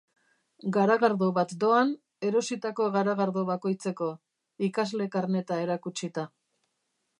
Garagardo bat doan, erositako garagardo bakoitzeko, ikasle karneta erakutsita.